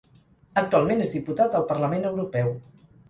Actualment és diputat al Parlament Europeu.